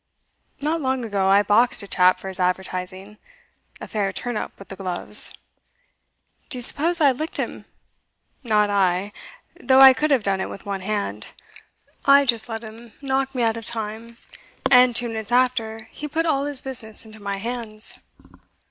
'Not long ago, I boxed a chap for his advertising. A fair turn up with the gloves. Do you suppose I licked him? Not I; though I could have done it with one hand. I just let him knock me out of time, and two minutes after he put all his business into my hands.